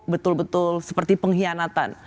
betul betul seperti pengkhianatan